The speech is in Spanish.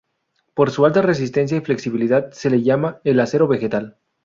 Por su alta resistencia y flexibilidad se le llama "el acero vegetal".